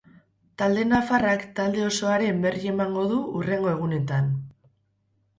Talde nafarrak talde osoaren berri emango du hurrengo egunetan.